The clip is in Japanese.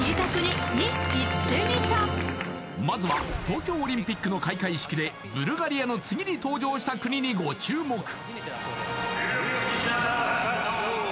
まずは東京オリンピックの開会式でブルガリアの次に登場した国にご注目